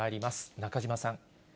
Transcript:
中島さん。